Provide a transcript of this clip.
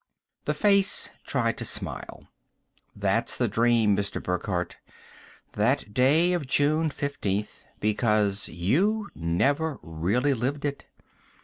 The face tried to smile. "That's the dream, Mr. Burckhardt, that day of June 15th, because you never really lived it.